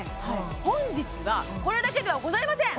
本日はこれだけではございません